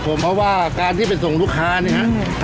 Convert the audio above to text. เพราะว่าการที่ไปส่งลูกค้าเนี่ยฮะ